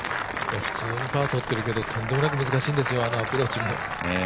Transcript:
普通にパーとってますけどとんでもなく難しいですよ、あのパーも。